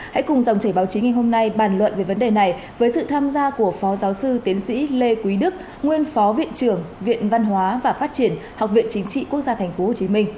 hãy cùng dòng chảy báo chí ngày hôm nay bàn luận về vấn đề này với sự tham gia của phó giáo sư tiến sĩ lê quý đức nguyên phó viện trưởng viện văn hóa và phát triển học viện chính trị quốc gia tp hcm